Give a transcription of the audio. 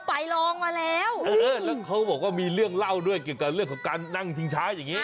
ไปลองมาแล้วเออแล้วเขาบอกว่ามีเรื่องเล่าด้วยเกี่ยวกับเรื่องของการนั่งชิงช้าอย่างนี้